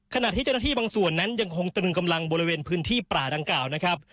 ขณะที่เจ้าหน้าที่บางส่วนนั้นยังคงตรึงกำลังบริเวณพื้นที่ป่าดังกล่าวนะครับ